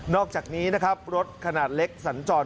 อกจากนี้นะครับรถขนาดเล็กสัญจร